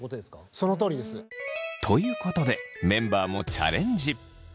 そのとおりです。ということでメンバーもチャレンジ。